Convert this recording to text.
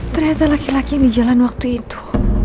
ternyata laki laki yang di jalan waktu itu